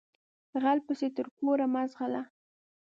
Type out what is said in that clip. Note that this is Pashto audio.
غل پسې تر کوره مه ځغلهٔ